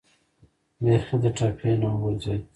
بیخي د ټپې نه و غورځېد.